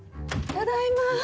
・ただいま！